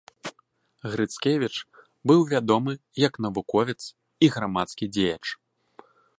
Грыцкевіч быў вядомы як навуковец і грамадскі дзеяч.